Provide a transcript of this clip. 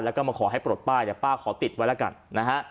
แล้วก็มาขอให้ปลดป้ายแต่ป้าขอติดไว้แล้วกันนะฮะ